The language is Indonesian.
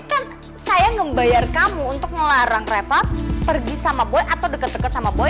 kan saya ngebayar kamu untuk ngelarang rafa pergi sama boy atau deket deket sama boy